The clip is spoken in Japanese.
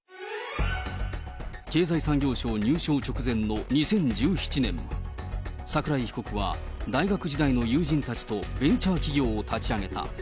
経済産業省入省直前の２０１７年、桜井被告は、大学時代の友人たちとベンチャー企業を立ち上げた。